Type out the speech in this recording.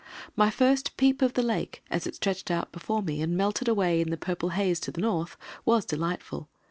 My first peep of the Lake, as it stretched out before me and melted away in the purple haze to the north, was delightful.